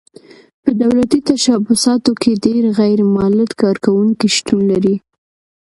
په دولتي تشبثاتو کې ډېر غیر مولد کارکوونکي شتون لري.